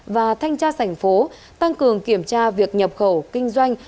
và thanh tra tp hcm tăng cường kiểm tra việc nhập khẩu kinh doanh